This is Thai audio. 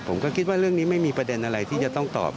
ผมก็คิดว่าเรื่องนี้ไม่มีประเด็นอะไรที่จะต้องตอบ